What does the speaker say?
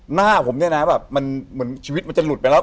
หน้าผมเนี่ยนะแบบมันเหมือนชีวิตมันจะหลุดไปแล้ว